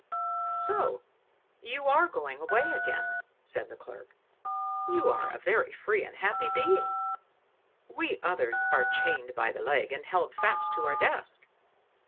"So you are going away again!" said the clerk. "You are a very free and happy being; we others are chained by the leg and held fast to our desk."